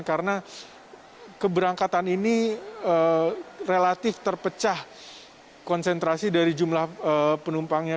karena keberangkatan ini relatif terpecah konsentrasi dari jumlah penumpangnya